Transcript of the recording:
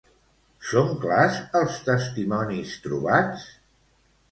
Són clars els testimonis trobats?